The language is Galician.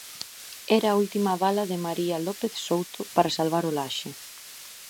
Era a última bala de María López Souto para salvar o Laxe.